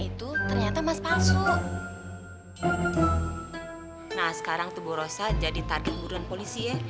itu ternyata mas palsu nah sekarang tubuh rosa jadi target buruan polisi ya